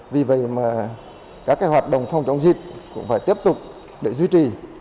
vì vậy mà các hoạt động phòng chống dịch cũng phải tiếp tục để duy trì